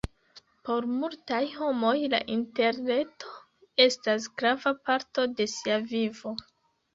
Por multaj homoj la interreto estas grava parto de sia vivo.